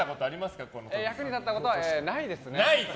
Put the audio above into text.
役に立ったことはないですね。